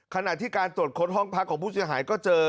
ขณะที่การตรวจค้นห้องพักของผู้เสียหายก็เจอ